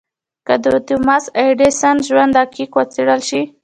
که د توماس ايډېسن ژوند دقيق وڅېړل شي.